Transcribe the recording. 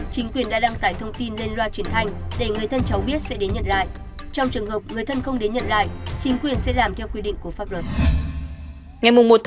chính quyền đã đăng tải thông tin lên loa truyền thanh để người thân cháu biết sẽ đến nhận lại trong trường hợp người thân không đến nhận lại chính quyền sẽ làm theo quy định của pháp luật